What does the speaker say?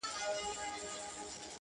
هر غاټول يې زما له وينو رنګ اخيستی٫